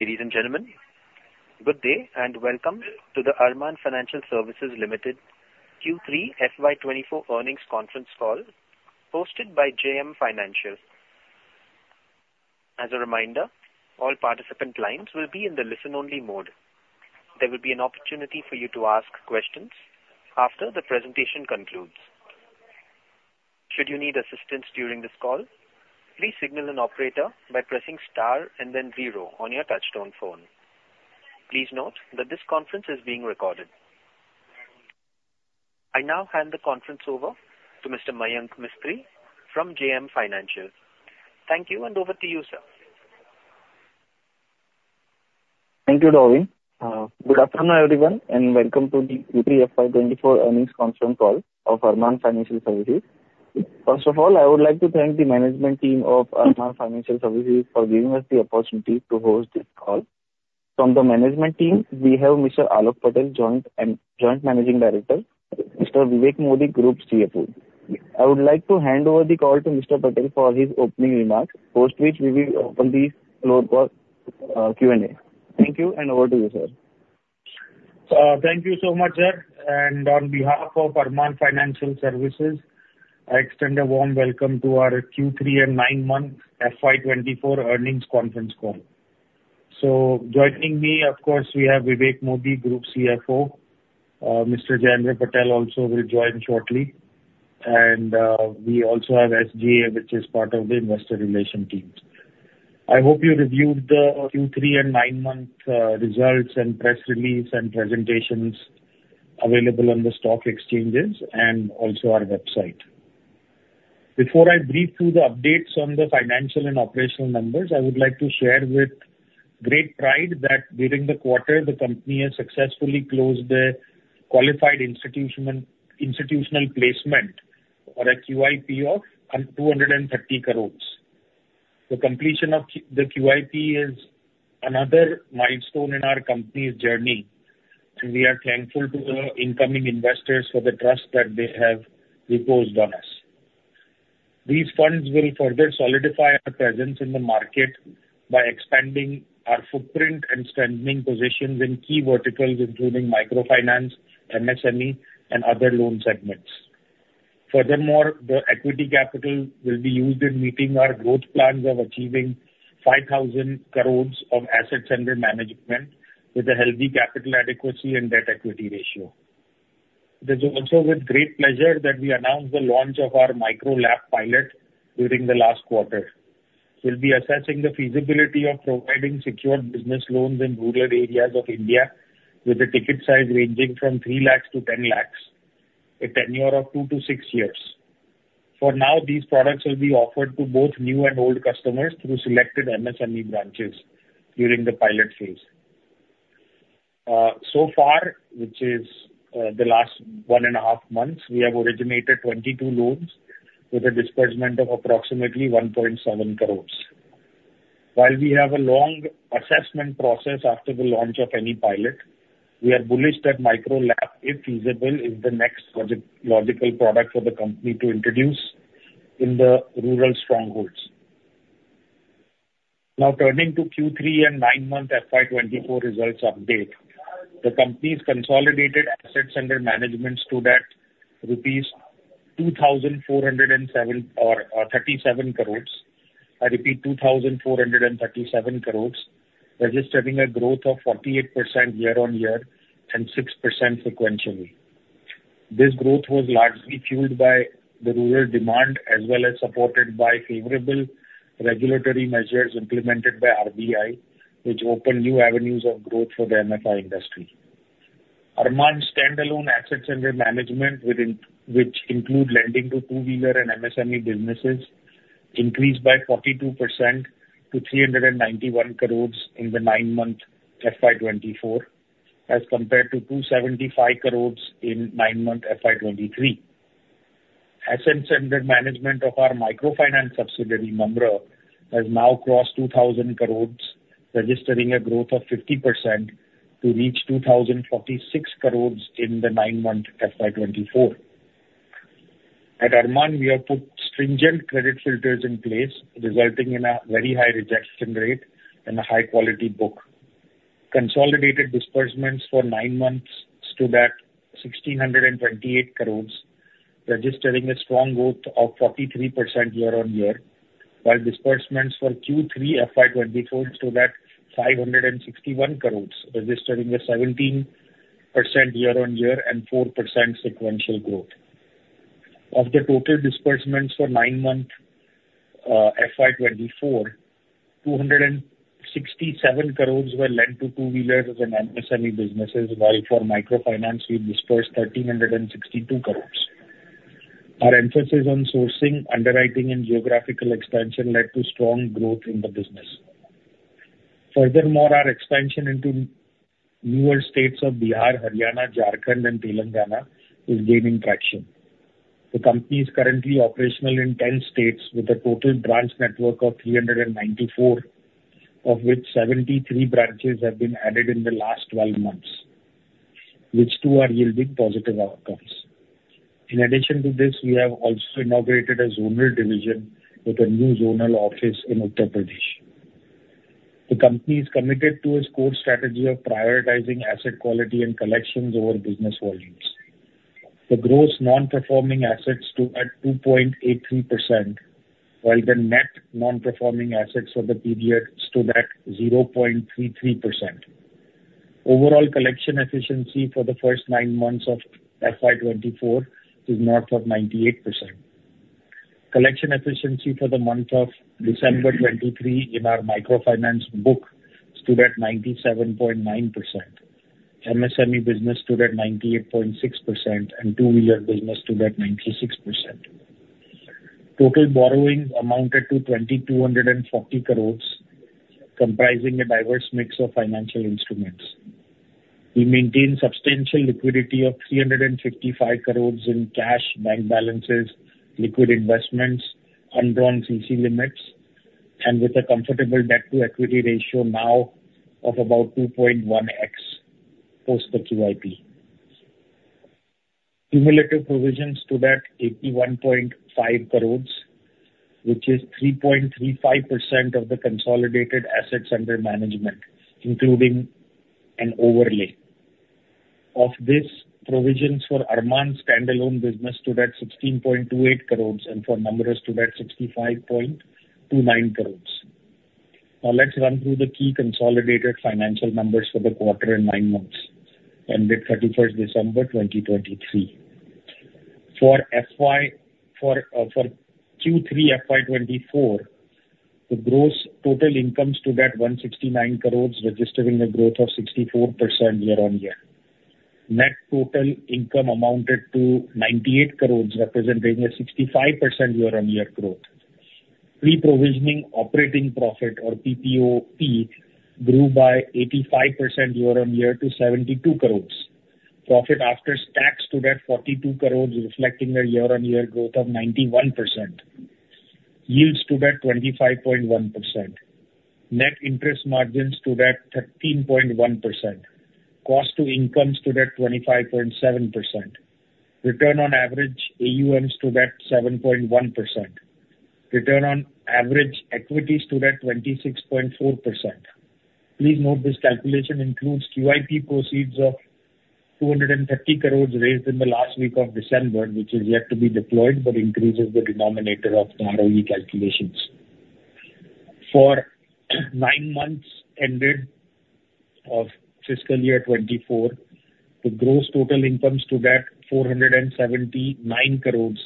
Ladies and gentlemen, good day, and welcome to the Arman Financial Services Limited Q3 FY24 earnings conference call, hosted by JM Financial. As a reminder, all participant lines will be in the listen-only mode. There will be an opportunity for you to ask questions after the presentation concludes. Should you need assistance during this call, please signal an operator by pressing star and then zero on your touchtone phone. Please note that this conference is being recorded. I now hand the conference over to Mr. Mayank Mistry from JM Financial. Thank you, and over to you, sir. Thank you, Darwin. Good afternoon, everyone, and welcome to the Q3 FY 2024 earnings conference call of Arman Financial Services. First of all, I would like to thank the management team of Arman Financial Services for giving us the opportunity to host this call. From the management team, we have Mr. Aalok Patel, Joint Managing Director, Mr. Vivek Modi, Group CFO. I would like to hand over the call to Mr. Patel for his opening remarks, post which we will open the floor for Q&A. Thank you, and over to you, sir. Thank you so much, sir, and on behalf of Arman Financial Services, I extend a warm welcome to our Q3 and nine-month FY 2024 earnings conference call. So joining me, of course, we have Vivek Modi, Group CFO. Mr. Jayendra Patel also will join shortly. And we also have SGA, which is part of the investor relations team. I hope you reviewed the Q3 and nine-month results and press release and presentations available on the stock exchanges and also our website. Before I brief you the updates on the financial and operational numbers, I would like to share with great pride that during the quarter, the company has successfully closed the qualified institutional placement or a QIP of 230 crore. The completion of the QIP is another milestone in our company's journey, and we are thankful to the incoming investors for the trust that they have reposed on us. These funds will further solidify our presence in the market by expanding our footprint and strengthening positions in key verticals, including microfinance, MSME, and other loan segments. Furthermore, the equity capital will be used in meeting our growth plans of achieving 5,000 crore of assets under management, with a healthy capital adequacy and debt equity ratio. It is also with great pleasure that we announce the launch of our Micro LAP pilot during the last quarter. We'll be assessing the feasibility of providing secured business loans in rural areas of India, with a ticket size ranging from 3 lakh to 10 lakh, a tenure of two to six years. For now, these products will be offered to both new and old customers through selected MSME branches during the pilot phase. So far, which is the last one and a half months, we have originated 22 loans with a disbursement of approximately 1.7 crore. While we have a long assessment process after the launch of any pilot, we are bullish that Micro LAP, if feasible, is the next logical product for the company to introduce in the rural strongholds. Now, turning to Q3 and nine-month FY 2024 results update. The company's consolidated assets under management stood at 2,437 crore. I repeat, 2,437 crore, registering a growth of 48% year-on-year and 6% sequentially. This growth was largely fueled by the rural demand as well as supported by favorable regulatory measures implemented by RBI, which opened new avenues of growth for the MFI industry. Arman's standalone assets under management within, which include lending to two-wheeler and MSME businesses, increased by 42% to 391 crore in the nine-month FY 2024, as compared to INR 275 crore in nine-month FY 2023. Assets under management of our microfinance subsidiary, Namra, has now crossed 2,000 crore, registering a growth of 50% to reach 2,046 crore in the nine-month FY 2024. At Arman, we have put stringent credit filters in place, resulting in a very high rejection rate and a high-quality book. Consolidated disbursements for nine months stood at 1,628 crore, registering a strong growth of 43% year-on-year, while disbursements for Q3 FY 2024 stood at INR 561 crore, registering a 17% year-on-year and 4% sequential growth. Of the total disbursements for nine months FY 2024, 267 crore were lent to two-wheelers and MSME businesses, while for microfinance, we disbursed 1,362 crore. Our emphasis on sourcing, underwriting, and geographical expansion led to strong growth in the business. Furthermore, our expansion into newer states of Bihar, Haryana, Jharkhand and Telangana is gaining traction. The company is currently operational in 10 states with a total branch network of 394, of which 73 branches have been added in the last 12 months… which too are yielding positive outcomes. In addition to this, we have also inaugurated a zonal division with a new zonal office in Uttar Pradesh. The company is committed to its core strategy of prioritizing asset quality and collections over business volumes. The gross non-performing assets stood at 2.83%, while the net non-performing assets for the period stood at 0.33%. Overall collection efficiency for the first nine months of FY 2024 is north of 98%. Collection efficiency for the month of December 2023 in our microfinance book stood at 97.9%. MSME business stood at 98.6%, and two-wheeler business stood at 96%. Total borrowings amounted to 2,240 crore, comprising a diverse mix of financial instruments. We maintain substantial liquidity of 355 crores in cash, bank balances, liquid investments, undrawn CC limits, and with a comfortable debt-to-equity ratio now of about 2.1x, post the QIP. Cumulative provisions stood at 81.5 crores, which is 3.35% of the consolidated assets under management, including an overlay. Of this, provisions for Arman's standalone business stood at 16.28 crores, and for Namra's stood at 65.29 crores. Now, let's run through the key consolidated financial numbers for the quarter and nine months, ended 31 December 2023. For FY, Q3 FY 2024, the gross total income stood at 169 crores, registering a 64% year-on-year growth. Net total income amounted to 98 crores, representing a 65% year-on-year growth. Pre-Provisioning Operating Profit, or PPOP, grew by 85% year-on-year to 72 crore. Profit after tax stood at 42 crore, reflecting a year-on-year growth of 91%. Yields stood at 25.1%. Net interest margins stood at 13.1%. Cost to income stood at 25.7%. Return on Average AUM stood at 7.1%. Return on Average Equity stood at 26.4%. Please note, this calculation includes QIP proceeds of 250 crore raised in the last week of December, which is yet to be deployed, but increases the denominator of the ROE calculations. For nine months ended of fiscal year 2024, the Gross Total Income stood at 479 crore rupees,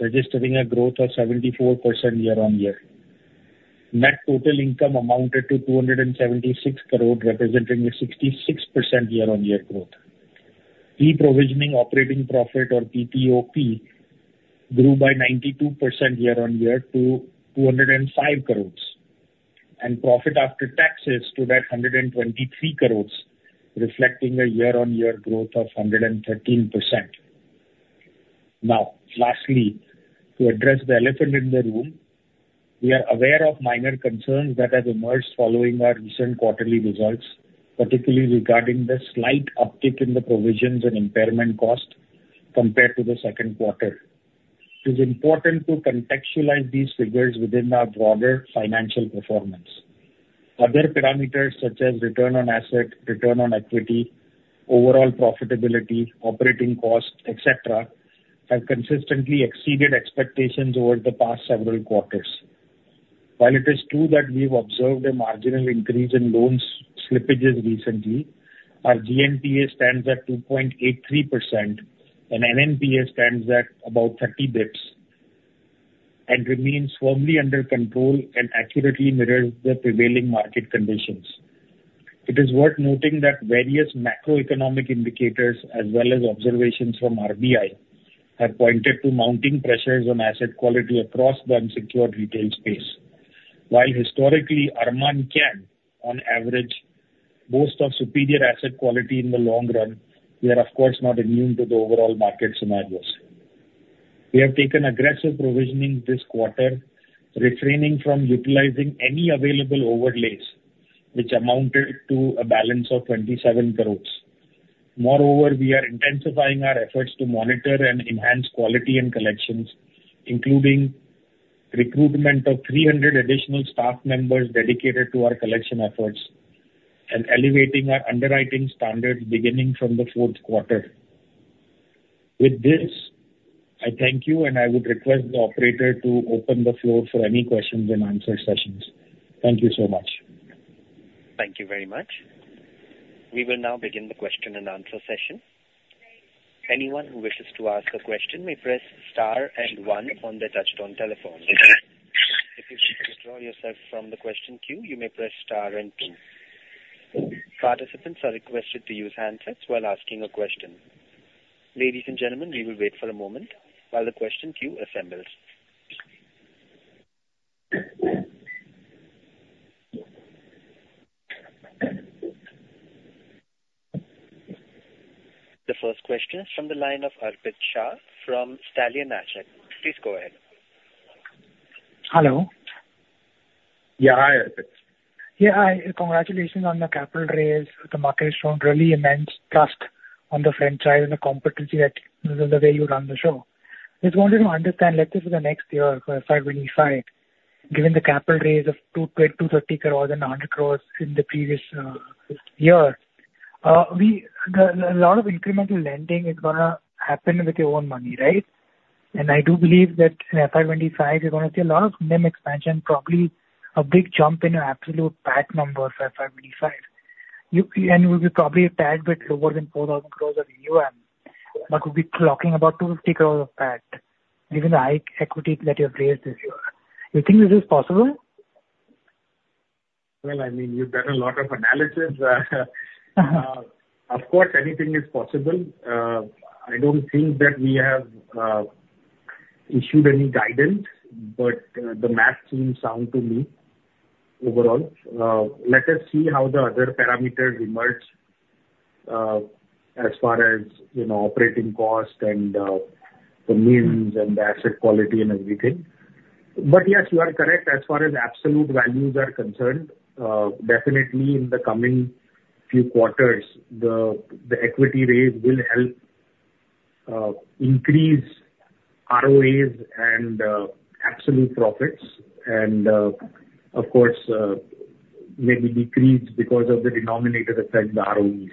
registering a growth of 74% year-on-year. Net total income amounted to INR 276 crore, representing a 66% year-on-year growth. Pre-Provisioning Operating Profit, or PPOP, grew by 92% year-on-year to 205 crore. Profit after taxes stood at 123 crore, reflecting a year-on-year growth of 113%. Now, lastly, to address the elephant in the room, we are aware of minor concerns that have emerged following our recent quarterly results, particularly regarding the slight uptick in the provisions and impairment cost compared to the second quarter. It is important to contextualize these figures within our broader financial performance. Other parameters, such as return on assets, return on equity, overall profitability, operating costs, et cetera, have consistently exceeded expectations over the past several quarters. While it is true that we've observed a marginal increase in loan slippages recently, our GNPA stands at 2.83%, and NNPA stands at about 30 bps, and remains firmly under control and accurately mirrors the prevailing market conditions. It is worth noting that various macroeconomic indicators, as well as observations from RBI, have pointed to mounting pressures on asset quality across the unsecured retail space. While historically, Arman can, on average, boast of superior asset quality in the long run, we are, of course, not immune to the overall market scenarios. We have taken aggressive provisioning this quarter, refraining from utilizing any available overlays, which amounted to a balance of 27 crore. Moreover, we are intensifying our efforts to monitor and enhance quality and collections, including recruitment of 300 additional staff members dedicated to our collection efforts and elevating our underwriting standards beginning from the fourth quarter. With this, I thank you, and I would request the operator to open the floor for any questions and answer sessions. Thank you so much. Thank you very much. We will now begin the question and answer session. Anyone who wishes to ask a question may press star and one on their touch-tone telephone. If you withdraw yourself from the question queue, you may press star and two. Participants are requested to use handsets while asking a question. Ladies and gentlemen, we will wait for a moment while the question queue assembles. The first question is from the line of Arpit Shah from Stallion Asset. Please go ahead.... Hello. Yeah, hi. Yeah, hi. Congratulations on the capital raise. The market shown really immense trust on the franchise and the competency that the way you run the show. Just wanted to understand, let's say, for the next year, for FY 2025, given the capital raise of 2,230 crores and 100 crores in the previous year, a lot of incremental lending is gonna happen with your own money, right? And I do believe that in FY 2025, you're gonna see a lot of NIM expansion, probably a big jump in your absolute PAT number for FY 2025. And will be probably a tad bit lower than 4,000 crores of new AUM, but we'll be talking about 250 crores of PAT, given the high equity that you have raised this year. You think this is possible? Well, I mean, you've done a lot of analysis. Of course, anything is possible. I don't think that we have issued any guidance, but the math seems sound to me overall. Let us see how the other parameters emerge, as far as, you know, operating cost and the NIMs and the asset quality and everything. But yes, you are correct. As far as absolute values are concerned, definitely in the coming few quarters, the equity raise will help increase ROAs and absolute profits and, of course, maybe decrease because of the denominator effect the ROEs,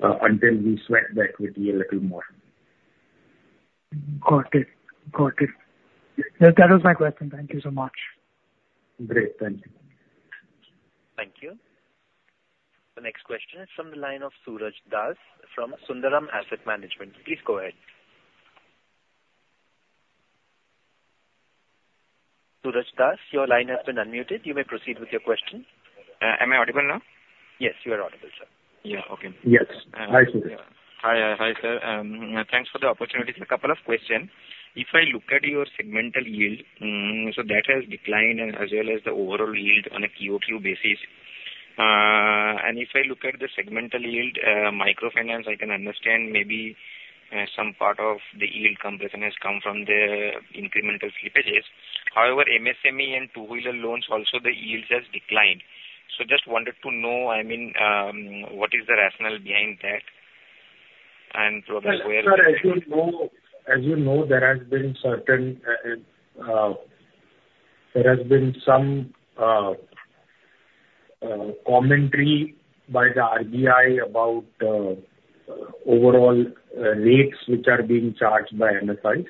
until we sweat the equity a little more. Got it. Got it. That, that was my question. Thank you so much. Great. Thank you. Thank you. The next question is from the line of Suraj Das from Sundaram Asset Management. Please go ahead. Suraj Das, your line has been unmuted. You may proceed with your question. Am I audible now? Yes, you are audible, sir. Yeah. Okay. Yes. Hi, Suraj. Hi, hi, sir. Thanks for the opportunity. A couple of questions. If I look at your segmental yield, so that has declined as well as the overall yield on a quarter-over-quarter basis. And if I look at the segmental yield, microfinance, I can understand maybe some part of the yield compression has come from the incremental slippages. However, MSME and two-wheeler loans also the yields has declined. So just wanted to know, I mean, what is the rationale behind that? And probably where- Sir, as you know, there has been some commentary by the RBI about overall rates which are being charged by MFIs.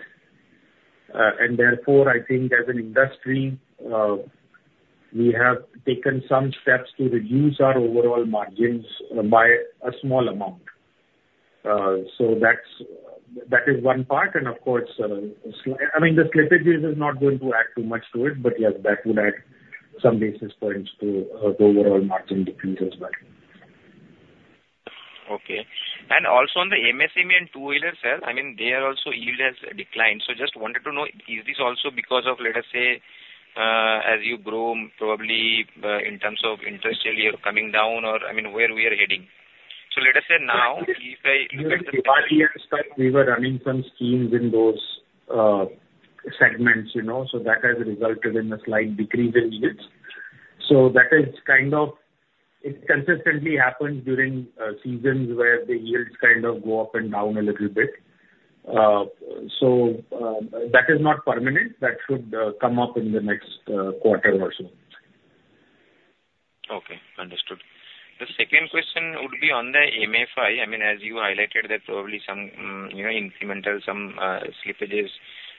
And therefore, I think as an industry, we have taken some steps to reduce our overall margins by a small amount. So that's... That is one part and of course, I mean, the slippages is not going to add too much to it, but yes, that will add some basis points to the overall margin decrease as well. Okay. And also on the MSME and two-wheeler, sir, I mean, they are also yield has declined. So just wanted to know, is this also because of, let us say, as you grow, probably, in terms of interest yield coming down or, I mean, where we are heading? So let us say now, if I- We were running some schemes in those segments, you know, so that has resulted in a slight decrease in yields. So that is kind of it consistently happens during seasons where the yields kind of go up and down a little bit. So that is not permanent. That should come up in the next quarter or so. Okay, understood. The second question would be on the MFI. I mean, as you highlighted, that probably some, you know, incremental, some, slippages,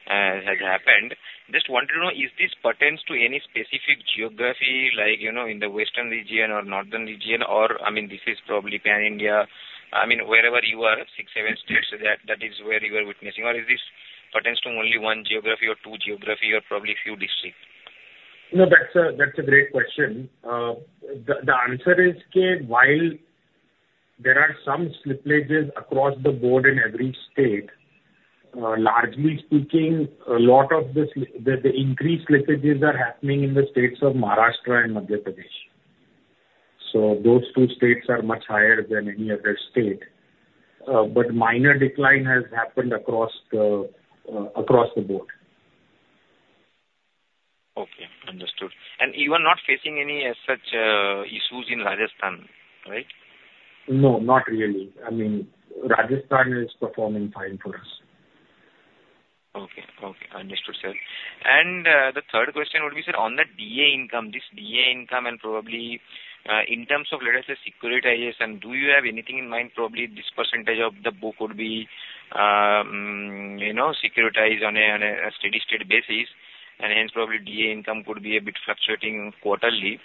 has happened. Just want to know, is this pertains to any specific geography, like, you know, in the western region or northern region, or, I mean, this is probably pan-India, I mean, wherever you are, six, seven states, so that, that is where you are witnessing, or is this pertains to only one geography or two geography or probably few districts? No, that's a great question. The answer is, while there are some slippages across the board in every state, largely speaking, a lot of the increased slippages are happening in the states of Maharashtra and Madhya Pradesh. So those two states are much higher than any other state, but minor decline has happened across the board. Okay, understood. You are not facing any as such, issues in Rajasthan, right? No, not really. I mean, Rajasthan is performing fine for us. Okay. Okay, understood, sir. And, the third question would be, sir, on the DA income, this DA income and probably, in terms of, let us say, securitization, do you have anything in mind? Probably, this percentage of the book would be, you know, securitized on a, on a steady state basis, and hence probably DA income could be a bit fluctuating quarterly.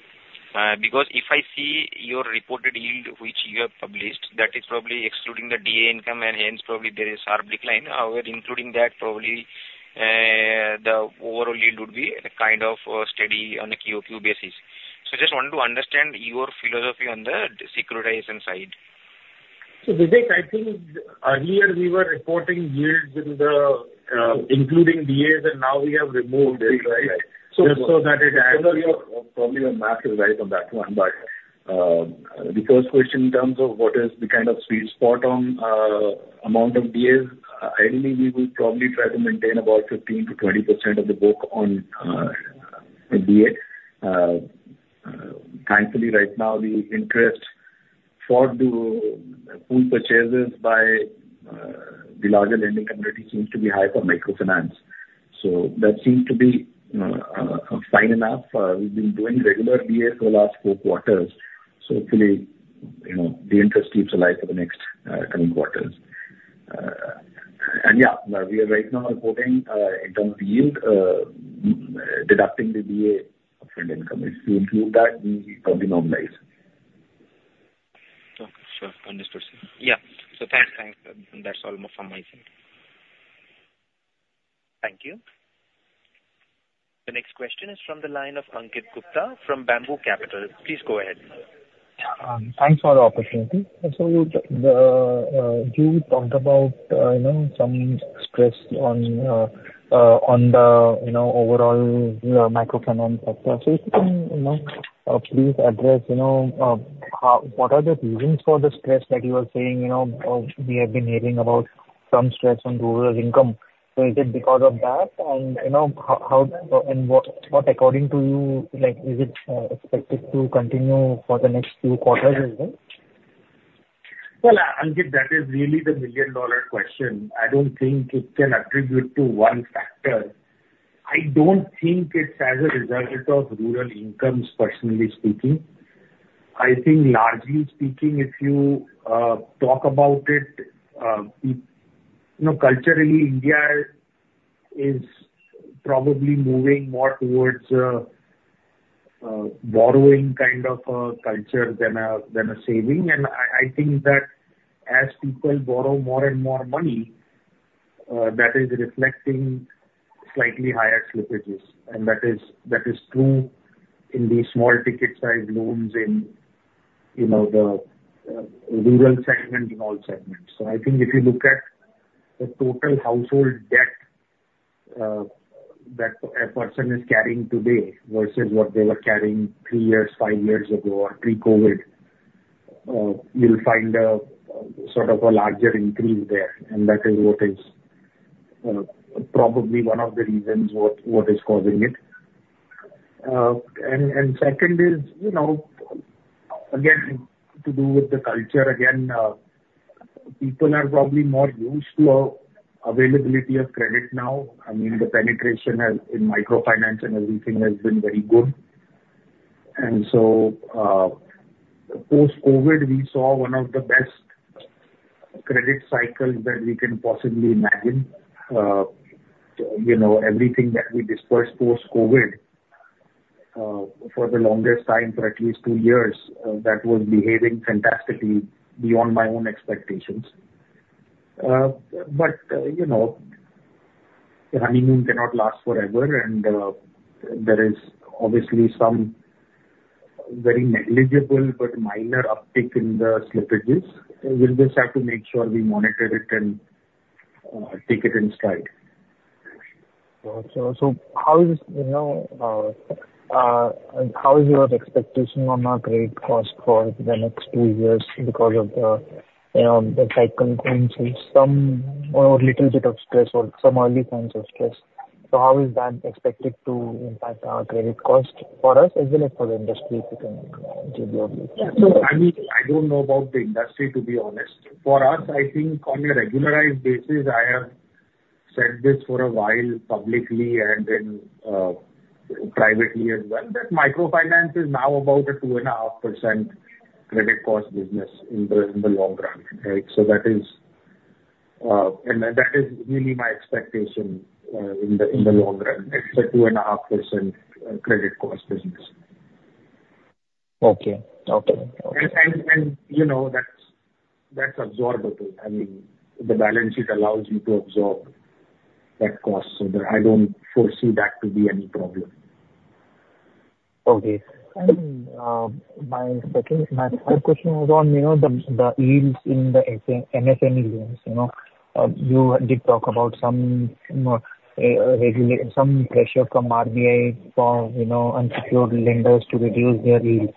Because if I see your reported yield, which you have published, that is probably excluding the DA income, and hence probably there is sharp decline. However, including that, probably, the overall yield would be kind of, steady on a QOQ basis. So just want to understand your philosophy on the securitization side. So, Vivek, I think earlier we were reporting yields including DAs, and now we have removed it, right? Right. Probably your math is right on that one, but the first question in terms of what is the kind of sweet spot on amount of DAs, I believe we will probably try to maintain about 15% to 20% of the book on a DA. Thankfully, right now, the interest for the pool purchases by the larger lending community seems to be high for microfinance. So that seems to be fine enough. We've been doing regular DAs for the last four quarters, so hopefully, you know, the interest keeps alive for the next coming quarters. And, yeah, we are right now reporting in terms of yield, deducting the DA upfront income. If you include that, we probably normalize. Okay, sure. Understood, sir. Yeah. So thanks, thanks. That's all from my side. Thank you. The next question is from the line of Ankit Gupta from Bamboo Capital. Please go ahead. Thanks for the opportunity. So, you talked about, you know, some stress on the, you know, overall, you know, microfinance sector. So if you can, you know, please address, you know, how, what are the reasons for the stress that you are saying, you know, we have been hearing about some stress on rural income. So is it because of that? And, you know, how and what, what according to you, like, is it expected to continue for the next few quarters as well? Well, Ankit, that is really the million-dollar question. I don't think it can attribute to one factor. I don't think it's as a result of rural incomes, personally speaking. I think largely speaking, if you talk about it, you know, culturally, India is probably moving more towards borrowing kind of a culture than a saving. And I think that as people borrow more and more money, that is reflecting slightly higher slippages, and that is true in the small ticket size loans in, you know, the rural segment and all segments. So I think if you look at the total household debt that a person is carrying today versus what they were carrying three years, five years ago, or pre-COVID, you'll find a sort of a larger increase there, and that is what is probably one of the reasons what is causing it. And second is, you know, again to do with the culture again, people are probably more used to availability of credit now. I mean, the penetration in microfinance and everything has been very good. And so, post-COVID, we saw one of the best credit cycles that we can possibly imagine. You know, everything that we dispersed post-COVID, for the longest time, for at least two years, that was behaving fantastically beyond my own expectations. But, you know, honeymoon cannot last forever, and there is obviously some very negligible but minor uptick in the slippages. We'll just have to make sure we monitor it and take it in stride. Got you. So how is, you know, how is your expectation on our credit cost for the next two years because of the, you know, the cycle going through some or a little bit of stress or some early signs of stress? So how is that expected to impact our credit cost for us as well as for the industry, if you can give your view? So, I mean, I don't know about the industry, to be honest. For us, I think on a regularized basis, I have said this for a while, publicly and then, privately as well, that microfinance is now about a 2.5% credit cost business in the long run. Right? So that is, and that is really my expectation, in the long run. It's a 2.5% credit cost business. Okay. Okay. You know, that's absorbable. I mean, the balance sheet allows you to absorb that cost, so I don't foresee that to be any problem. Okay. And, my second question was on, you know, the yields in the MSME loans, you know? You did talk about some pressure from RBI for, you know, unsecured lenders to reduce their yields.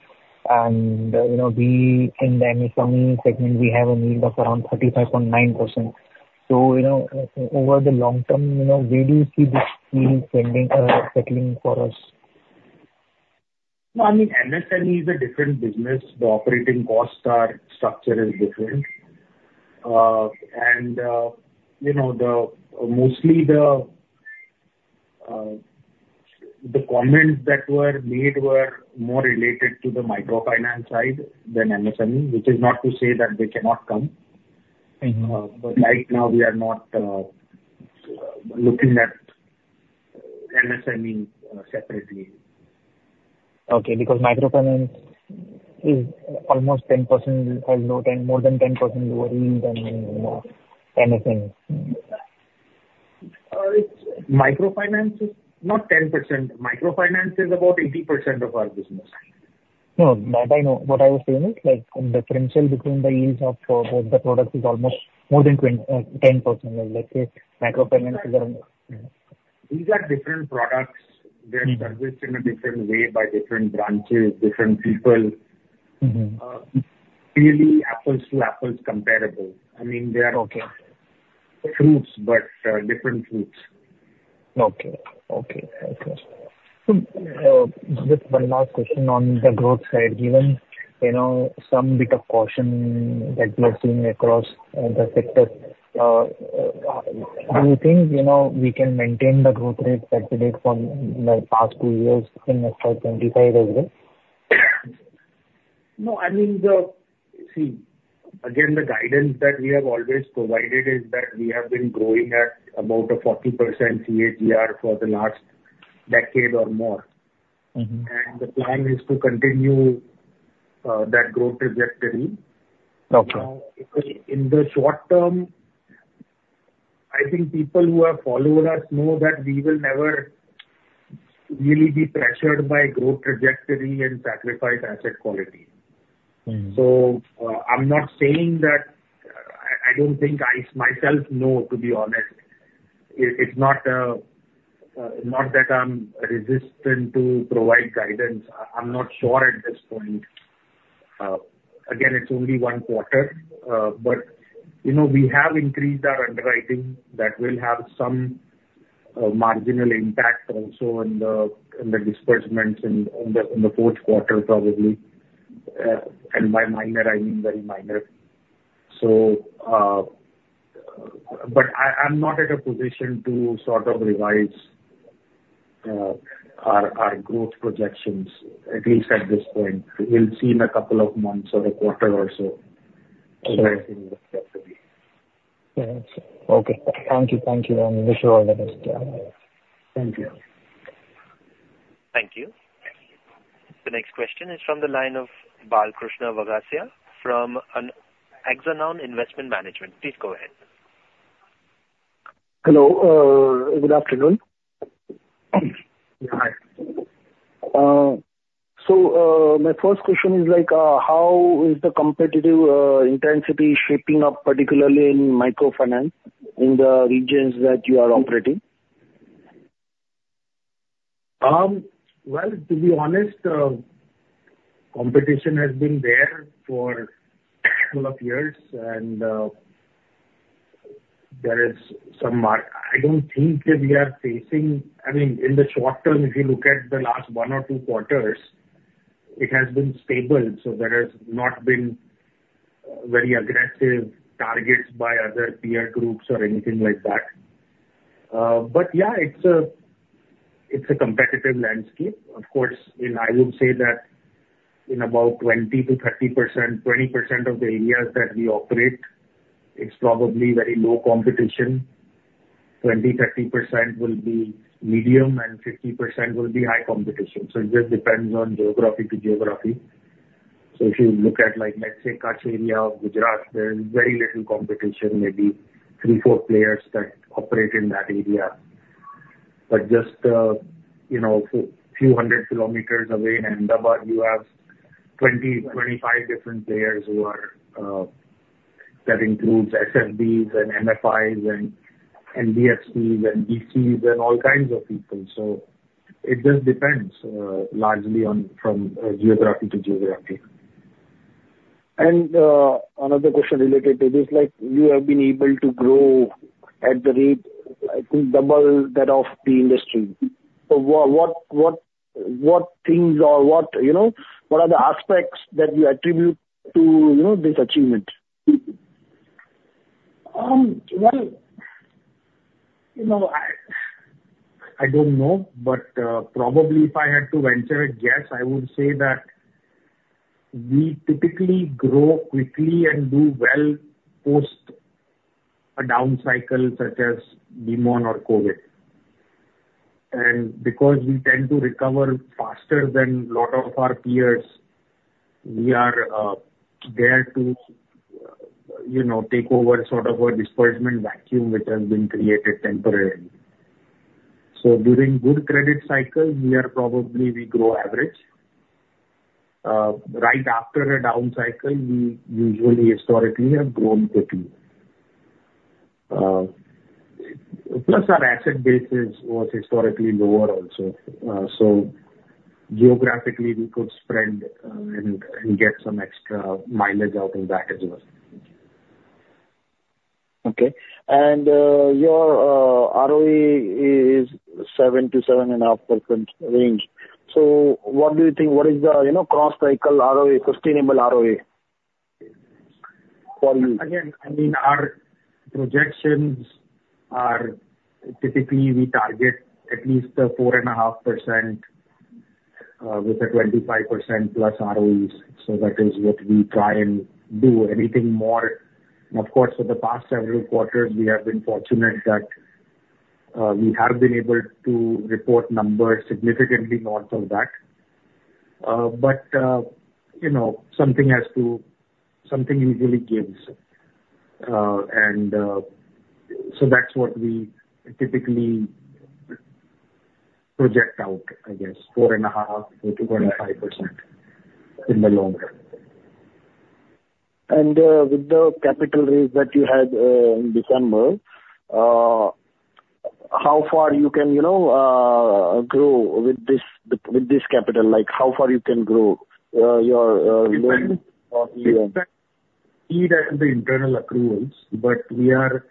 And, you know, we in the MSME segment, we have a yield of around 35.9%. So, you know, over the long term, you know, where do you see this yield trending, settling for us? No, I mean, MSME is a different business. The operating costs are... Structure is different. And, you know, mostly the comments that were made were more related to the microfinance side than MSME, which is not to say that they cannot come. Mm-hmm. But right now we are not looking at MSME separately. Okay, because microfinance is almost 10% or more than, more than 10% lower yield than MSME. Microfinance is not 10%. Microfinance is about 80% of our business. No, that I know. What I was saying is, like, the differential between the yields of the product is almost more than 20-10%. Let's say microfinance is around-... These are different products. They're serviced in a different way by different branches, different people. Mm-hmm. Really apples to apples comparable. I mean, they are- Okay. Fruits, but, different fruits. Okay. Okay, okay. So, just one last question on the growth side. Given, you know, some bit of caution that we are seeing across, the sector, do you think, you know, we can maintain the growth rate that we did from the past two years in next 25 as well? No, I mean, see, again, the guidance that we have always provided is that we have been growing at about 40% CAGR for the last decade or more. Mm-hmm. The plan is to continue that growth trajectory. Okay. In the short term, I think people who have followed us know that we will never really be pressured by growth trajectory and sacrifice asset quality. Mm. So, I'm not saying that I don't think I myself know, to be honest. It's not that I'm resistant to provide guidance. I'm not sure at this point. Again, it's only one quarter, but you know, we have increased our underwriting that will have some marginal impact also in the disbursements on the fourth quarter, probably. And by minor, I mean very minor. So, but I'm not in a position to sort of revise our growth projections, at least at this point. We'll see in a couple of months or a quarter or so. Okay. Thank you, thank you, and wish you all the best. Thank you. Thank you. The next question is from the line of Balkrushna Vaghasia from Axanoun Investment Management. Please go ahead. Hello. Good afternoon. Hi. My first question is, like, how is the competitive intensity shaping up, particularly in microfinance, in the regions that you are operating? Well, to be honest, competition has been there for couple of years, and there is some... I don't think that we are facing... I mean, in the short term, if you look at the last one or two quarters, it has been stable, so there has not been very aggressive targets by other peer groups or anything like that. But yeah, it's a competitive landscape. Of course, and I would say that in about 20% to 30%, 20% of the areas that we operate, it's probably very low competition. 20 to 30% will be medium, and 50% will be high competition. So it just depends on geography to geography. So if you look at, like, let's say, Kachchh area of Gujarat, there is very little competition, maybe three to four players that operate in that area. But just, you know, a few hundred kilometers away in Ahmedabad, you have 20 to 25 different players who are, that includes SFBs and MFIs and, and DSAs and BCs and all kinds of people. So it just depends largely from geography to geography. Another question related to this, like, you have been able to grow at the rate, I think, double that of the industry. So what things or what, you know, what are the aspects that you attribute to, you know, this achievement? Well, you know, I don't know, but probably if I had to venture a guess, I would say that we typically grow quickly and do well post a down cycle such as DeMo or COVID. And because we tend to recover faster than a lot of our peers, we are there to, you know, take over sort of a disbursement vacuum which has been created temporarily. So during good credit cycles, we are probably, we grow average. Right after a down cycle, we usually historically have grown quickly. Plus our asset base is, was historically lower also. So geographically, we could spread, and get some extra mileage out in that as well. Okay. And, your, ROE is 7% to 7.5% range. So what do you think? What is the, you know, cross-cycle ROE, sustainable ROE for you? Again, I mean, our projections are typically we target at least 4.5%, with a 25%+ ROEs, so that is what we try and do. Anything more, and of course, for the past several quarters, we have been fortunate that we have been able to report numbers significantly north of that. But you know, something has to... something usually gives. And so that's what we typically project out, I guess, 4.5% to 25% in the long run.... And, with the capital raise that you had in December, how far you can, you know, grow with this, with this capital? Like, how far you can grow your loan? It depends on the internal accruals, but we are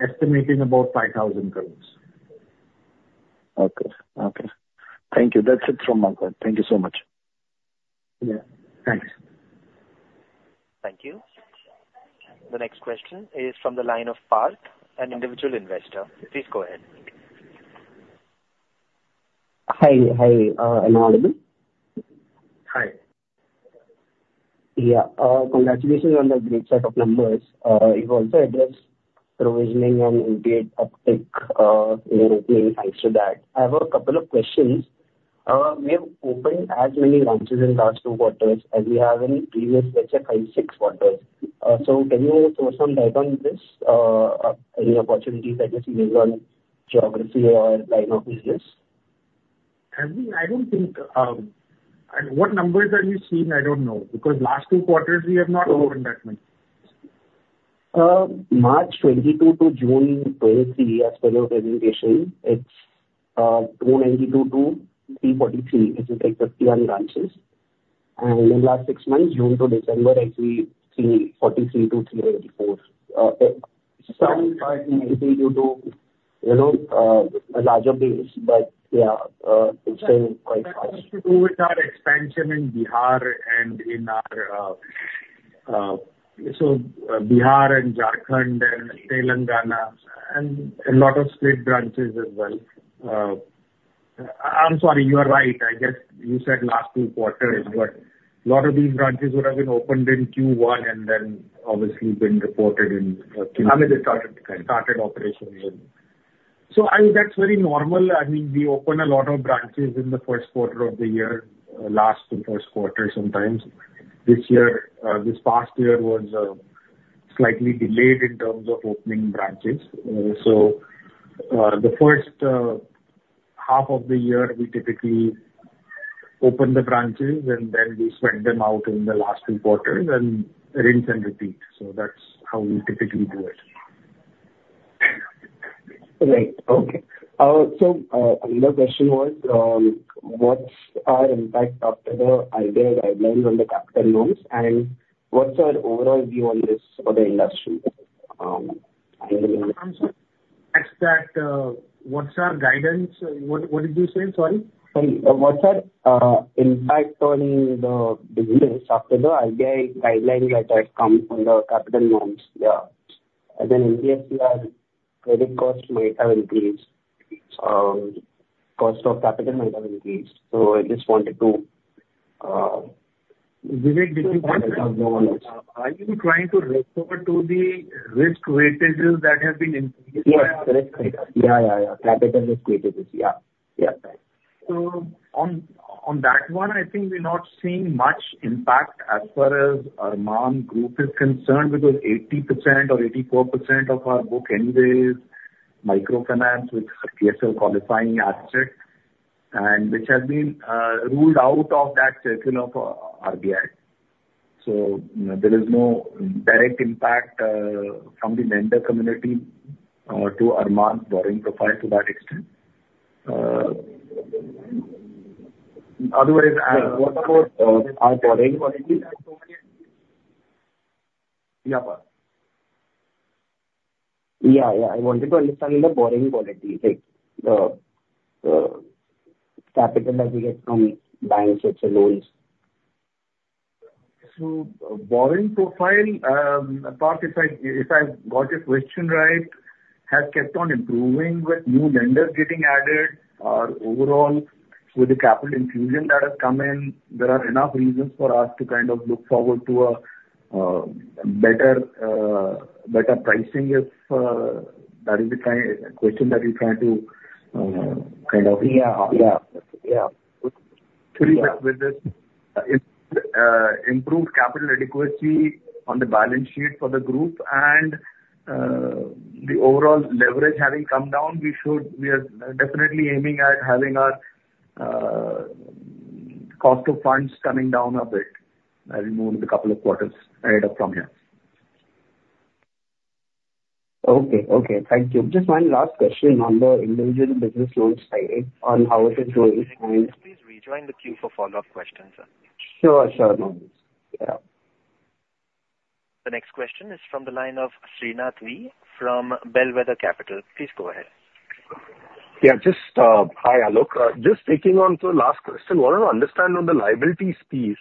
estimating about 5,000 crore. Okay. Okay. Thank you. That's it from my side. Thank you so much. Yeah, thanks. Thank you. The next question is from the line of Parth, an individual investor. Please go ahead. Hi, hi, am I audible? Hi. Yeah, congratulations on the great set of numbers. You've also addressed provisioning and uptick, in relation to that. I have a couple of questions. We have opened as many branches in the last two quarters as we have in previous, let's say, five, six quarters. So can you throw some light on this? Any opportunities that you see on geography or line of business? I mean, I don't think, and what numbers are you seeing? I don't know, because last two quarters we have not opened that much. March 2022 to June 2023, as per your presentation, it's 292 to 343, which is existing on branches. And in the last six months, June to December, I see 343 to 384. Starting maybe due to, you know, a larger base, but yeah, it's still quite high. With our expansion in Bihar and Jharkhand and Telangana and a lot of state branches as well. I'm sorry, you are right. I guess you said last two quarters, but a lot of these branches would have been opened in Q1 and then obviously been reported in- I mean, they started. Started operations. So I mean, that's very normal. I mean, we open a lot of branches in the first quarter of the year, last to first quarter sometimes. This year, this past year was slightly delayed in terms of opening branches. So, the first half of the year, we typically open the branches, and then we spread them out in the last two quarters, and rinse and repeat. So that's how we typically do it. Right. Okay. So, another question was, what's our impact after the RBI guidelines on the capital norms? And what's our overall view on this for the industry? And- I'm sorry, ask that, what's our guidance? What, what did you say? Sorry. Sorry. What's our impact on the business after the RBI guideline that has come on the capital norms? Yeah. And then NBFCs credit cost might have increased. Cost of capital might have increased. So I just wanted to- Vivek, are you trying to refer to the risk weightages that have been increased? Yes, correct. Yeah, yeah, yeah. Capital risk weightages. Yeah. Yeah, right. So on, on that one, I think we're not seeing much impact as far as Arman Group is concerned, because 80% or 84% of our book anyway is microfinance, which are PSL qualifying assets, and which have been ruled out of that circle of RBI. So there is no direct impact from the lender community to Arman borrowing profile to that extent. Otherwise, our borrowing quality—Yeah, Parth. Yeah, yeah. I wanted to understand the borrowing quality, like the capital that you get from banks with the loans. So borrowing profile, Parth, if I got your question right, has kept on improving with new lenders getting added, or overall with the capital infusion that has come in, there are enough reasons for us to kind of look forward to a better pricing, if that is the kind question that you're trying to kind of- Yeah, yeah. Yeah. To recap with this, improved capital adequacy on the balance sheet for the group and, the overall leverage having come down, we should, we are definitely aiming at having our, cost of funds coming down a bit as we move the couple of quarters ahead from here. Okay. Okay, thank you. Just one last question on the individual business loans side, on how is it going and- Please rejoin the queue for follow-up questions, sir. Sure, sure. No worries. Yeah. The next question is from the line of Srinath V from Bellwether Capital. Please go ahead. Yeah, just, Hi, Alok. Just taking on to the last question, I want to understand on the liabilities piece,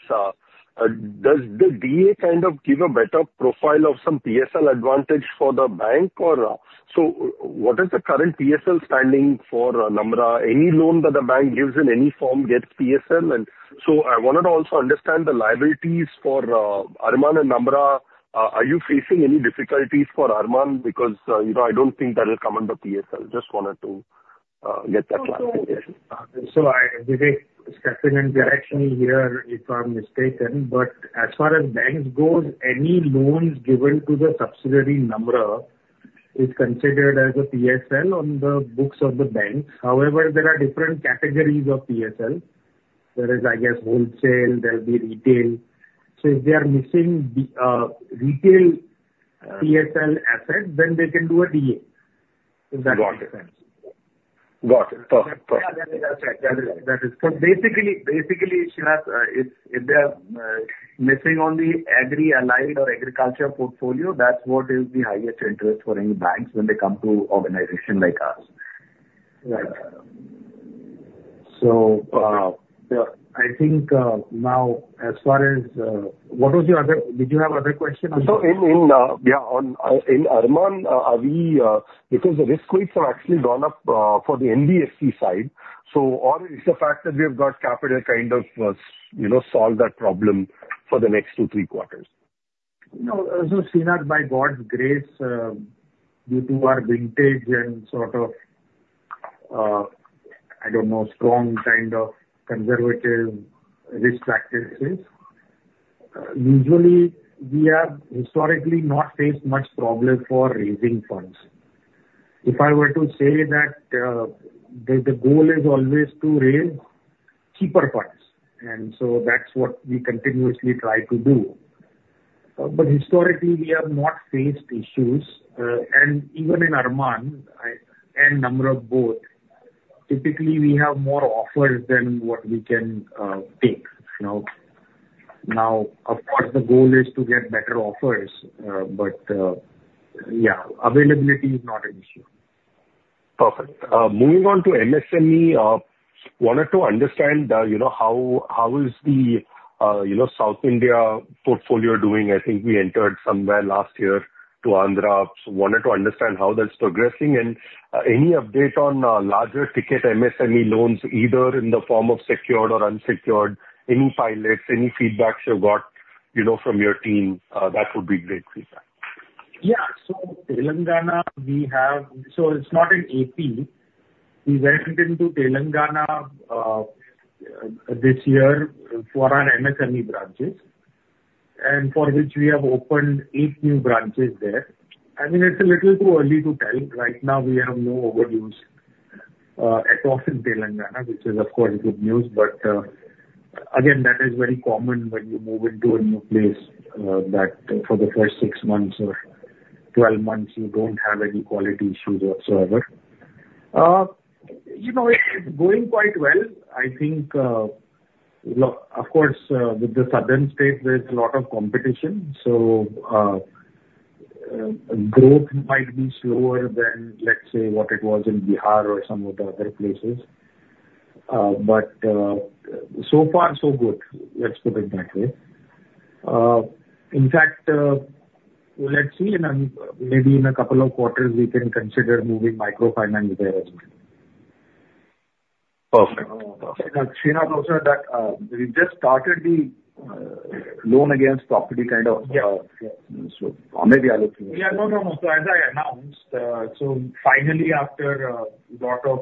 does the DA kind of give a better profile of some PSL advantage for the bank or, so what is the current PSL standing for Namra? Any loan that the bank gives in any form gets PSL. And so I wanted to also understand the liabilities for, Arman and Namra. Are you facing any difficulties for Arman? Because, you know, I don't think that will come under PSL. Just wanted to, get that clarification. So I, Vivek, stepping in directionally here, if I'm mistaken, but as far as banks goes, any loans given to the subsidiary, Namra, is considered as a PSL on the books of the bank. However, there are different categories of PSL... there is, I guess, wholesale, there'll be retail. So if they are missing the retail PSL asset, then they can do a DA, if that makes sense. Got it. Got it. Perfect. Perfect. Yeah, that is. So basically, Srinath, if they are missing on the agri-aligned or agriculture portfolio, that's what is the highest interest for any banks when they come to organization like us. Right. So, I think, now as far as, what was your other... Did you have other question? So in Arman, are we, because the risk weights have actually gone up for the NBFC side, so or is the fact that we have got capital kind of, you know, solve that problem for the next two to three quarters? No, so, Srinath, by God's grace, due to our vintage and sort of, I don't know, strong kind of conservative risk practices, usually we have historically not faced much problem for raising funds. If I were to say that, the goal is always to raise cheaper funds, and so that's what we continuously try to do. But historically, we have not faced issues, and even in Arman and Namra both, typically we have more offers than what we can take now. Now, of course, the goal is to get better offers, but yeah, availability is not an issue. Perfect. Moving on to MSME, wanted to understand, you know, how is the, you know, South India portfolio doing? I think we entered somewhere last year to Andhra. So wanted to understand how that's progressing, and any update on larger ticket MSME loans, either in the form of secured or unsecured, any pilots, any feedbacks you've got, you know, from your team, that would be great feedback. Yeah. So Telangana, we have. So it's not in AP. We went into Telangana this year for our MSME branches, and for which we have opened 8 new branches there. I mean, it's a little too early to tell. Right now, we have no overdues at all in Telangana, which is, of course, good news. But again, that is very common when you move into a new place that for the first six months or 12 months, you don't have any quality issues whatsoever. You know, it's going quite well. I think, of course, with the southern states, there's a lot of competition. So growth might be slower than, let's say, what it was in Bihar or some of the other places. But so far so good. Let's put it that way. In fact, let's see, and maybe in a couple of quarters, we can consider moving microfinance there as well. Perfect. Srinath, Srinath, also that, we just started the loan against property kind of. Yeah. So maybe I'll let you. Yeah, no, no, no. So as I announced, so finally, after lot of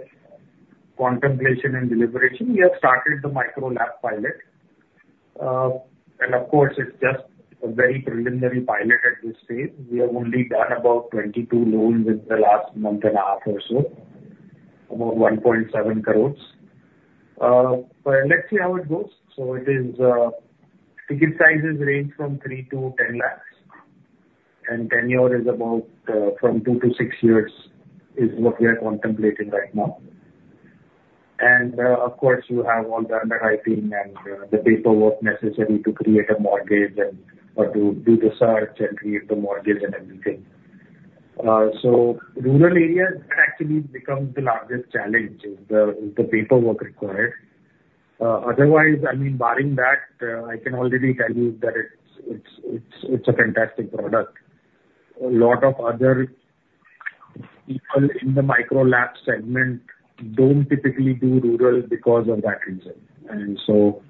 contemplation and deliberation, we have started the Micro LAP pilot. And of course, it's just a very preliminary pilot at this stage. We have only done about 22 loans in the last month and a half or so, about 1.7 crore. But let's see how it goes. So it is, ticket sizes range from 3 lakh to 10 lakh, and tenure is about from two to six years, is what we are contemplating right now. And, of course, you have all the underwriting and the paperwork necessary to create a mortgage and or to do the search and create the mortgage and everything. So rural areas actually becomes the largest challenge: the paperwork required. Otherwise, I mean, barring that, I can already tell you that it's a fantastic product. A lot of other people in the Micro LAP segment don't typically do rural because of that reason, and so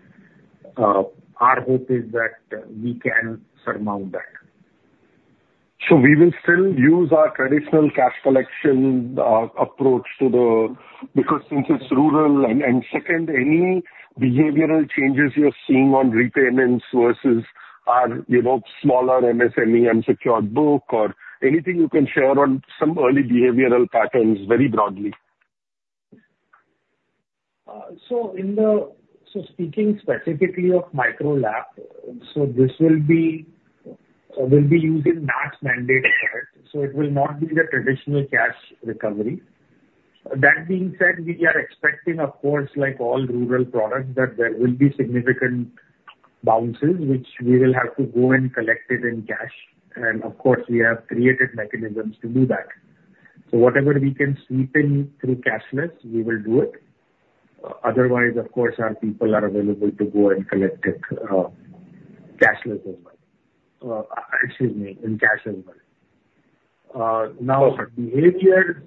our hope is that we can surmount that. We will still use our traditional cash collection approach to the... Because since it's rural, and second, any behavioral changes you're seeing on repayments versus our, you know, smaller MSME unsecured book or anything you can share on some early behavioral patterns very broadly. So speaking specifically of Micro LAP, this will be using NACH mandate. So it will not be the traditional cash recovery. That being said, we are expecting, of course, like all rural products, that there will be significant bounces, which we will have to go and collect it in cash. And of course, we have created mechanisms to do that. So whatever we can sweep in through cashless, we will do it. Otherwise, of course, our people are available to go and collect it cashless as well. Excuse me, in cash as well. Now, for behaviors,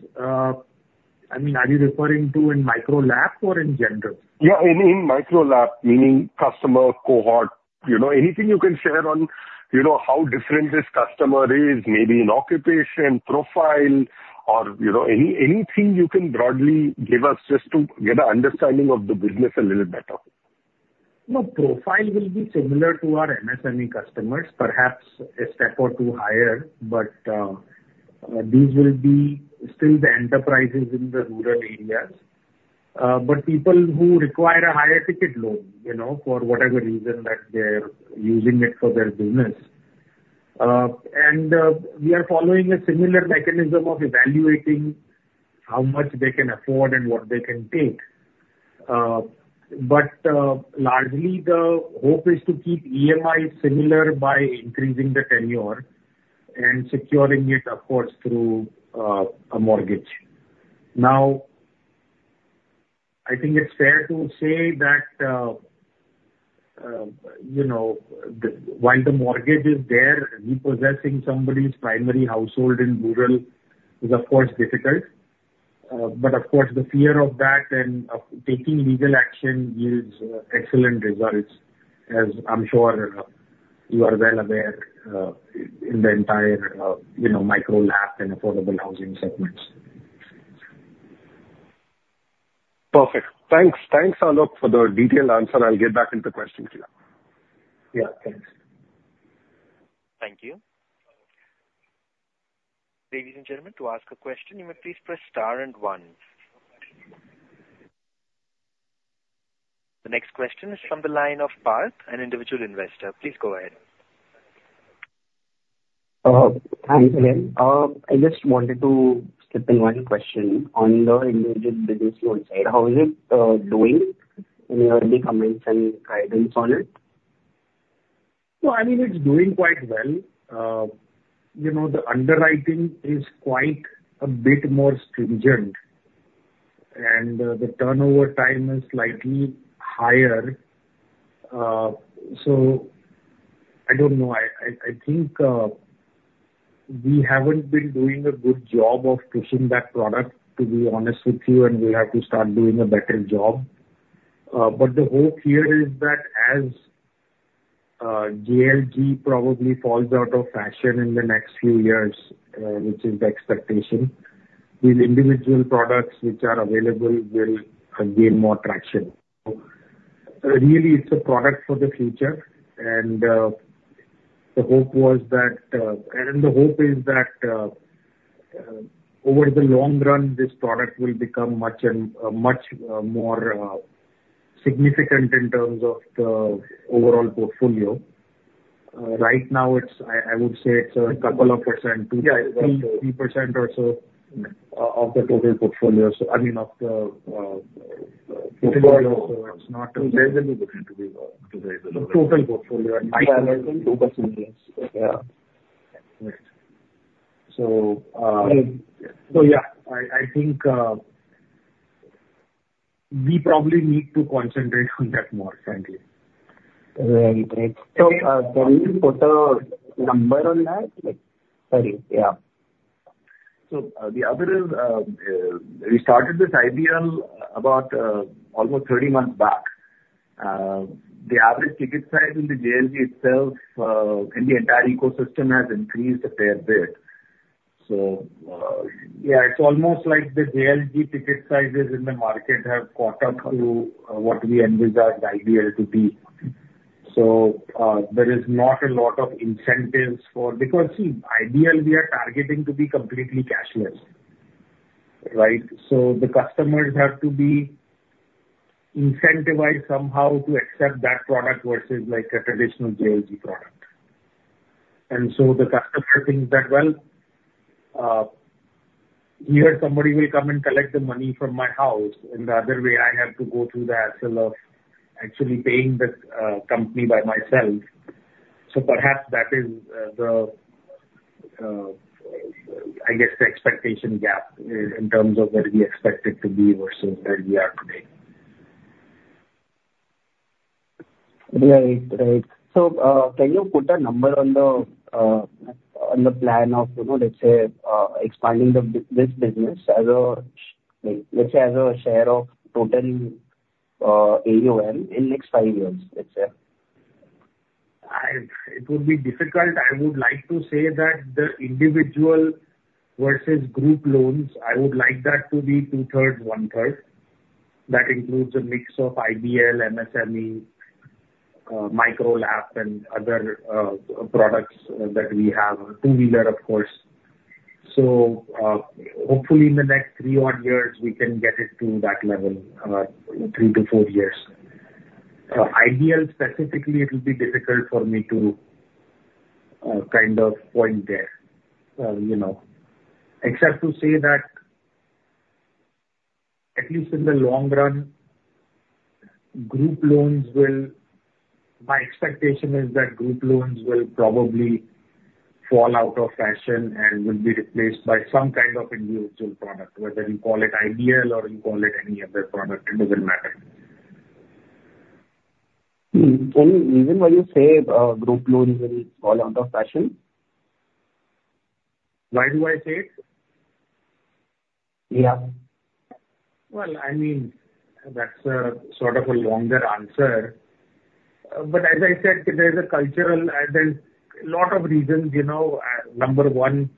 I mean, are you referring to in Micro LAP or in general? Yeah, in micro LAP, meaning customer cohort. You know, anything you can share on, you know, how different this customer is, maybe an occupation, profile, or, you know, any- anything you can broadly give us just to get an understanding of the business a little better? ... No, profile will be similar to our MSME customers, perhaps a step or two higher, but these will be still the enterprises in the rural areas. But people who require a higher ticket loan, you know, for whatever reason, that they're using it for their business. And we are following a similar mechanism of evaluating how much they can afford and what they can take. But largely the hope is to keep EMIs similar by increasing the tenure and securing it, of course, through a mortgage. Now, I think it's fair to say that, you know, while the mortgage is there, repossessing somebody's primary household in rural is of course difficult. But of course, the fear of that and of taking legal action yields excellent results, as I'm sure you are well aware in the entire, you know, Micro LAP and affordable housing segments. Perfect. Thanks. Thanks, Alok, for the detailed answer. I'll get back into questions here. Yeah, thanks. Thank you. Ladies and gentlemen, to ask a question, you may please press star and one. The next question is from the line of Parth, an individual investor. Please go ahead. Hi again. I just wanted to slip in one question on the individual business loan side. How is it doing? Any early comments and guidance on it? Well, I mean, it's doing quite well. You know, the underwriting is quite a bit more stringent, and the turnover time is slightly higher. So I don't know. I think we haven't been doing a good job of pushing that product, to be honest with you, and we have to start doing a better job. But the hope here is that as JLG probably falls out of fashion in the next few years, which is the expectation, these individual products which are available will gain more traction. Really, it's a product for the future, and the hope was that... and the hope is that over the long run, this product will become much and much more significant in terms of the overall portfolio. Right now, it's, I would say it's a couple of %, yeah, three, 3% or so of the total portfolio. So I mean, of the portfolio. It's not significantly different to the- Total portfolio. Total portfolio. Yeah. Right. So, So yeah, I think we probably need to concentrate on that more, frankly. Right. Great. So, can you put a number on that? Sorry, yeah. So, the other is, we started this IBL about almost 30 months back. The average ticket size in the JLG itself, in the entire ecosystem, has increased a fair bit. So, yeah, it's almost like the JLG ticket sizes in the market have caught up to what we envisaged the IBL to be. So, there is not a lot of incentives for... Because see, IBL, we are targeting to be completely cashless, right? So the customers have to be incentivized somehow to accept that product versus like a traditional JLG product. And so the customer thinks that, "Well, here somebody will come and collect the money from my house, and the other way, I have to go through the hassle of actually paying this company by myself." So perhaps that is, I guess, the expectation gap in terms of where we expect it to be versus where we are today. Right. Right. So, can you put a number on the, on the plan of, you know, let's say, expanding the, this business as a, like, let's say, as a share of total, AUM in next five years, let's say? It would be difficult. I would like to say that the individual versus group loans, I would like that to be two-third, one-third. That includes a mix of IBL, MSME, Micro LAP and other products that we have, two-wheeler, of course. So, hopefully in the next three-odd years, we can get it to that level, three to four years. IBL specifically, it will be difficult for me to kind of point there, you know, except to say that at least in the long run, group loans will... My expectation is that group loans will probably fall out of fashion and will be replaced by some kind of individual product, whether you call it IBL or you call it any other product, it doesn't matter. Hmm. Any reason why you say group loans will fall out of fashion? Why do I say it? Yeah. Well, I mean, that's a sort of a longer answer. But as I said, there's a cultural and there's a lot of reasons, you know, number one-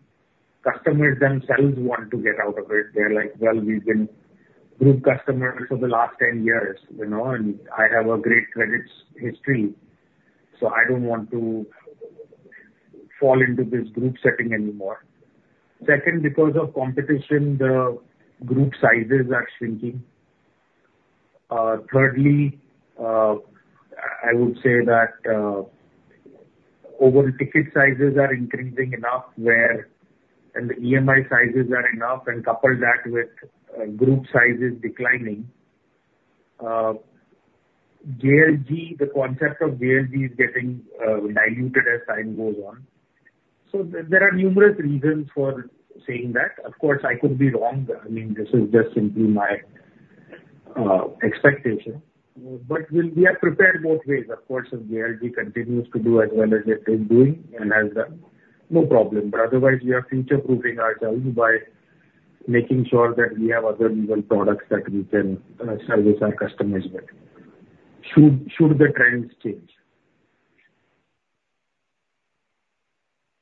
customers themselves want to get out of it. They're like, "Well, we've been group customers for the last 10 years, you know, and I have a great credit history, so I don't want to fall into this group setting anymore." Second, because of competition, the group sizes are shrinking. Thirdly, I would say that over the ticket sizes are increasing enough where and the EMI sizes are enough, and couple that with group sizes declining. JLG, the concept of JLG is getting diluted as time goes on. So there are numerous reasons for saying that. Of course, I could be wrong, but, I mean, this is just simply my expectation. But we are prepared both ways. Of course, if JLG continues to do as well as it is doing and has done, no problem, but otherwise, we are future-proofing ourselves by making sure that we have other viable products that we can service our customers with, should the trends change.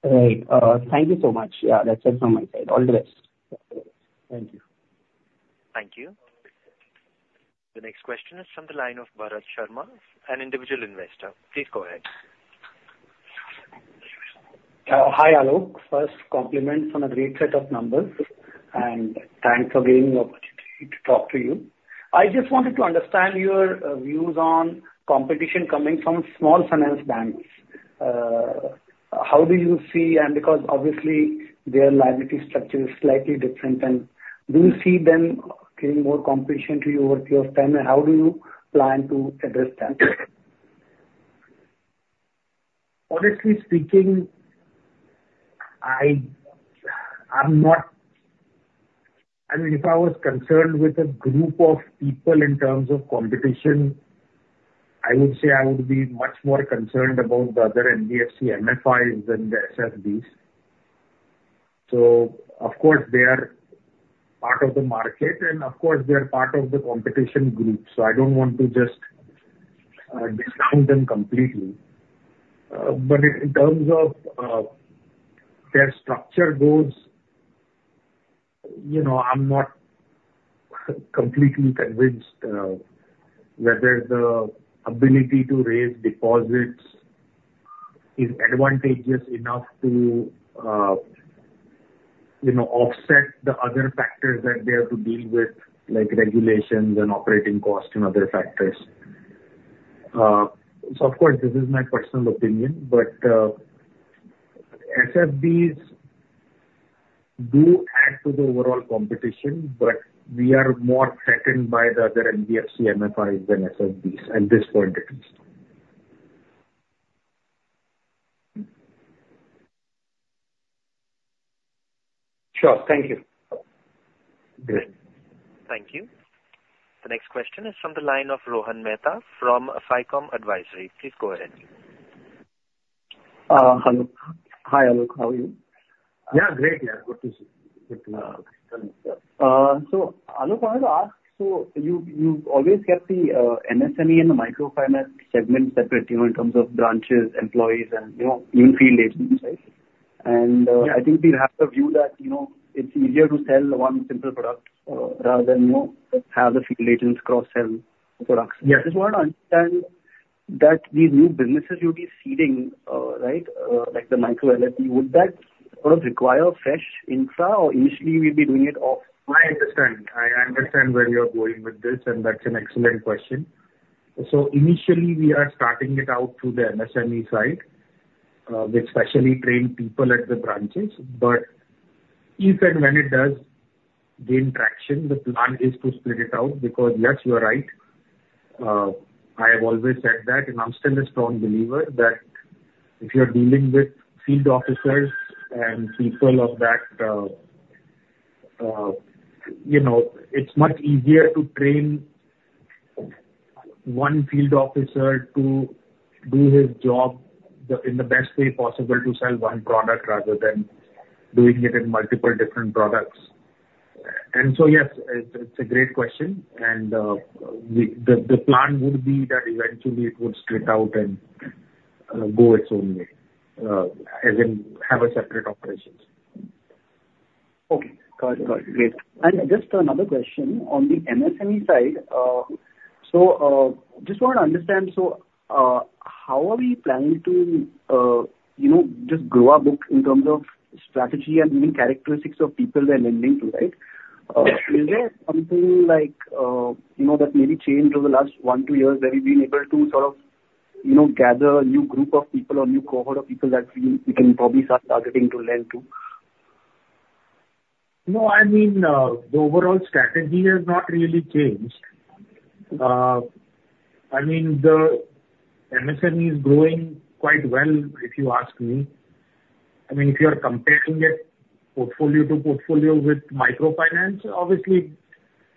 Right. Thank you so much. Yeah, that's it from my side. All the best. Thank you. Thank you. The next question is from the line of Bharat Sharma, an individual investor. Please go ahead. Hi, Aalok. First, compliments on a great set of numbers, and thanks for giving me the opportunity to talk to you. I just wanted to understand your views on competition coming from small finance banks. How do you see... and because obviously, their liability structure is slightly different and do you see them getting more competition to you over your time, and how do you plan to address that? Honestly speaking, I'm not—I mean, if I was concerned with a group of people in terms of competition, I would say I would be much more concerned about the other NBFC MFIs than the SFBs. So of course, they are part of the market, and of course, they are part of the competition group, so I don't want to just discount them completely. But in terms of their structure goes, you know, I'm not completely convinced whether the ability to raise deposits is advantageous enough to, you know, offset the other factors that they have to deal with, like regulations and operating costs and other factors. So of course, this is my personal opinion, but SFBs do add to the overall competition, but we are more threatened by the other NBFC MFIs than SFBs, at this point at least. Sure. Thank you. Great. Thank you. The next question is from the line of Rohan Mehta from Ficom Advisory. Please go ahead. Hello. Hi, Aalok. How are you? Yeah, great, yeah. Good to see you. Good to tell me. Aalok, I want to ask, so you, you've always kept the MSME and the microfinance segment separate, you know, in terms of branches, employees and, you know, even field agents, right? Yeah. I think we have the view that, you know, it's easier to sell one simple product, rather than, you know, have the field agents cross-sell products. Yes. Just want to understand that these new businesses you'll be seeding, right, like the Micro LAP, would that sort of require fresh infra, or initially we'll be doing it off? I understand. I understand where you're going with this, and that's an excellent question. So initially, we are starting it out through the MSME side with specially trained people at the branches. But if and when it does gain traction, the plan is to split it out, because yes, you are right. I have always said that, and I'm still a strong believer that if you're dealing with field officers and people of that, you know, it's much easier to train one field officer to do his job in the best way possible to sell one product, rather than doing it in multiple different products. And so, yes, it's a great question, and the plan would be that eventually it would split out and go its own way, as in have a separate operations. Okay. Got it. Got it. Great. And just another question, on the MSME side, just want to understand, how are we planning to, you know, just grow our book in terms of strategy and even characteristics of people we're lending to, right? Yeah. Is there something like, you know, that maybe changed over the last one to two years, that we've been able to sort of, you know, gather a new group of people or new cohort of people that we can probably start targeting to lend to? No, I mean, the overall strategy has not really changed. I mean, the MSME is growing quite well, if you ask me. I mean, if you are comparing its portfolio to portfolio with microfinance, obviously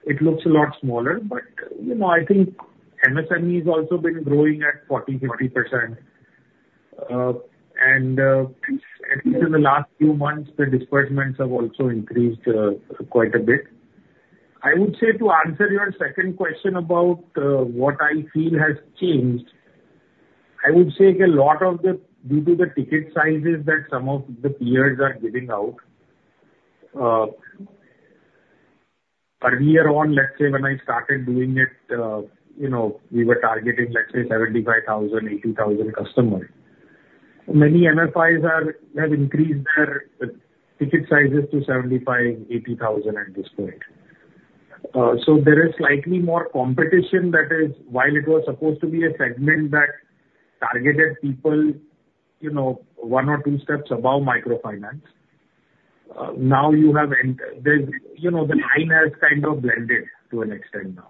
it looks a lot smaller, but, you know, I think MSME has also been growing at 40% to 50%. And, at least in the last few months, the disbursements have also increased quite a bit. I would say to answer your second question about what I feel has changed. I would say a lot, due to the ticket sizes that some of the peers are giving out, earlier on, let's say when I started doing it, you know, we were targeting, let's say 75,000 to 80,000 customers. Many MFIs have increased their ticket sizes to 75,000 to 80,000 at this point. So there is slightly more competition. That is, while it was supposed to be a segment that targeted people, you know, one or two steps above microfinance, now you have and there's, you know, the line has kind of blended to an extent now.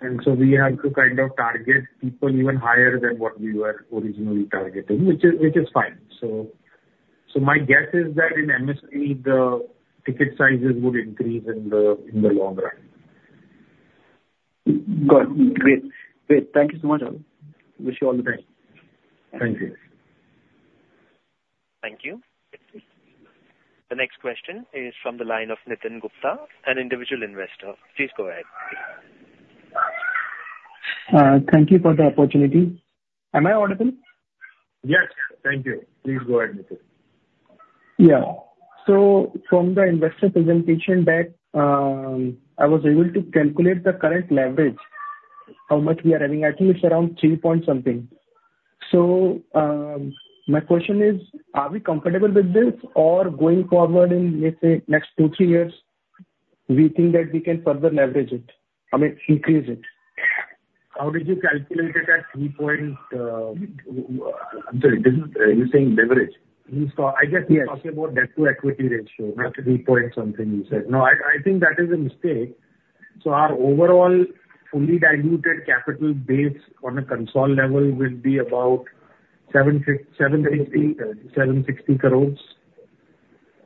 And so we have to kind of target people even higher than what we were originally targeting, which is, which is fine. So my guess is that in MSME, the ticket sizes would increase in the long run. Got it. Great. Great. Thank you so much. Wish you all the best. Thank you. Thank you. The next question is from the line of Nitin Gupta, an individual investor. Please go ahead. Thank you for the opportunity. Am I audible? Yes, thank you. Please go ahead, Nitin. Yeah. So from the investor presentation deck, I was able to calculate the current leverage, how much we are having. I think it's around three.something. So, my question is: are we comfortable with this, or going forward in, let's say, next two, three years, we think that we can further leverage it, I mean, increase it? How did you calculate it at three point, I'm sorry, this is, are you saying leverage? I guess he's talking about debt-to-equity ratio, not three.something, he said. No, I think that is a mistake. So our overall fully diluted capital base on a consolidated level will be about 750 to 760 crores.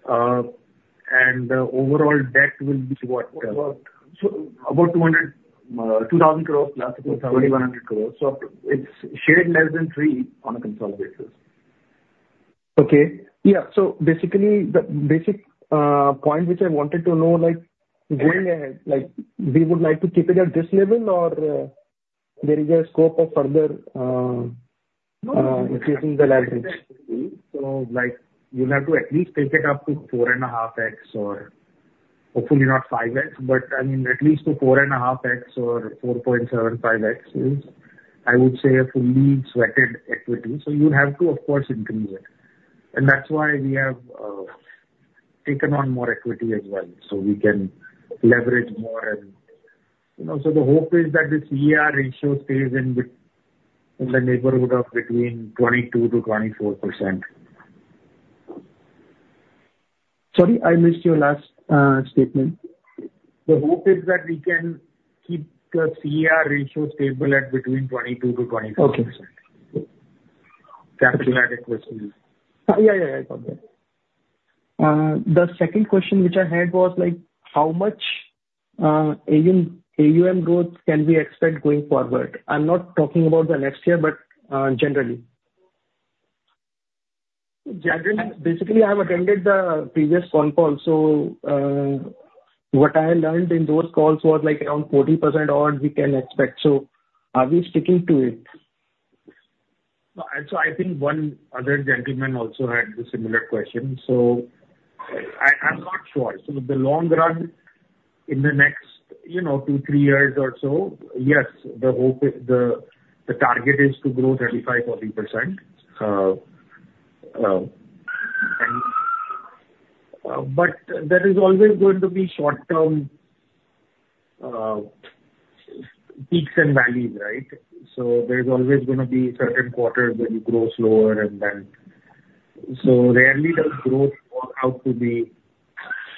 And the overall debt will be what? About 2,000 crore, last report, 2,100 crore. It's shared less than three on a consolidated basis. Okay. Yeah. So basically, the basic point which I wanted to know, like, going ahead, like, we would like to keep it at this level or there is a scope of further increasing the leverage? So, like, you'll have to at least take it up to 4.5x or hopefully not 5x, but I mean at least to 4.5x or 4.75x is, I would say, a fully sweated equity. So you have to, of course, increase it. And that's why we have taken on more equity as well, so we can leverage more and... You know, so the hope is that this year ratio stays within the neighborhood of between 22% to 24%. Sorry, I missed your last statement. The hope is that we can keep the CRAR ratio stable at between 22% to 24%. Okay. Capital adequacy. Yeah, yeah, yeah, I got that. The second question which I had was like, how much AUM growth can we expect going forward? I'm not talking about the next year, but generally. Generally, basically, I have attended the previous conference call, so what I learned in those calls was, like, around 40% odd we can expect. So are we sticking to it? I think one other gentleman also had the similar question. I'm not sure. In the long run, in the next, you know, two, three years or so, yes, the hope is... the target is to grow 35% to 40%. And but there is always going to be short-term peaks and valleys, right? There's always gonna be certain quarters where you grow slower and then... Rarely does growth work out to be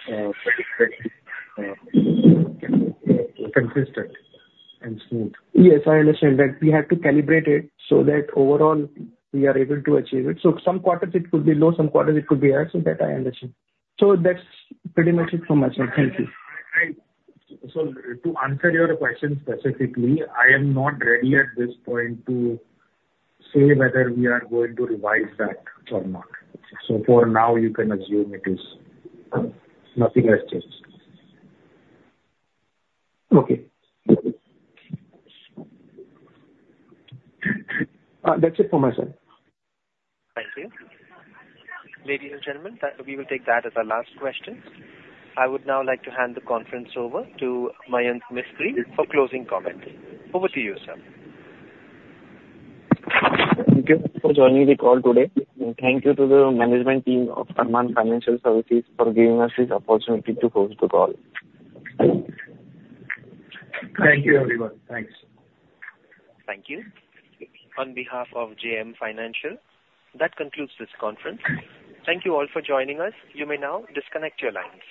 predicted consistent and smooth. Yes, I understand that we have to calibrate it so that overall we are able to achieve it. So some quarters it could be low, some quarters it could be high, so that I understand. So that's pretty much it for myself. Thank you. So to answer your question specifically, I am not ready at this point to say whether we are going to revise that or not. So for now, you can assume it is, nothing has changed. Okay. That's it for myself. Thank you. Ladies and gentlemen, that we will take that as our last question. I would now like to hand the conference over to Mayank Mistry for closing comments. Over to you, sir. Thank you for joining the call today, and thank you to the management team of Arman Financial Services for giving us this opportunity to host the call. Thank you, everyone. Thanks. Thank you. On behalf of JM Financial, that concludes this conference. Thank you all for joining us. You may now disconnect your lines.